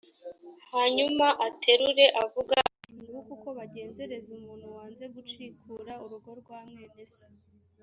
hanyuma aterure avuga ati «nguko uko bagenzereza umuntu wanze gucikura urugo rwa mwene se.